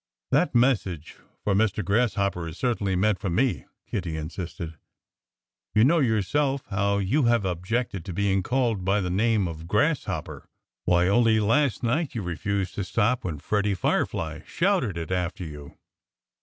"That message for 'Mr. Grasshopper' is certainly meant for me," Kiddie insisted. "You know yourself how you have objected to being called by the name of 'Grasshopper.' Why, only last night you refused to stop when Freddie Firefly shouted it after you."